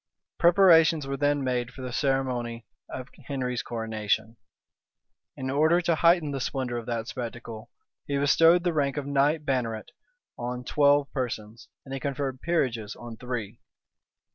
[*] Preparations were then made for the ceremony of Henry's coronation. In order to heighten the splendor of that spectacle, he bestowed the rank of knight banneret on twelve persons; and he conferred peerages on three.